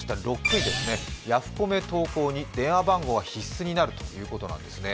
６位、ヤフコメ投稿に電話番号は必須になるということなんですね。